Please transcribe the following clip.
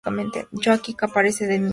Yokai con apariencia de niña.